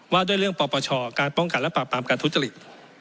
ว่าด้วยเรื่องปปชการป้องกันและปราบปรามการทุจริต